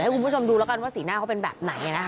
คุณผู้ชมดูแล้วกันว่าสีหน้าเขาเป็นแบบไหนนะคะ